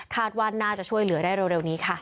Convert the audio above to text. ว่าน่าจะช่วยเหลือได้เร็วนี้ค่ะ